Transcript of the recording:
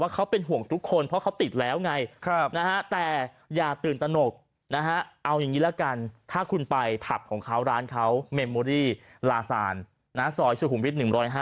เขาเป็นห่วงทุกคนเพราะเขาติดแล้วไงแต่อย่าตื่นตนกนะฮะเอาอย่างนี้ละกันถ้าคุณไปผับของเขาร้านเขาเมมโมรี่ลาซานซอยสุขุมวิท๑๐๕